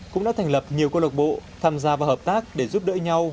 cũng đã thành lập nhiều cơ lộc bộ tham gia và hợp tác để giúp đỡ nhau